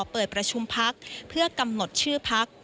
เปิดประชุมพักเพื่อกำหนดชื่อพัก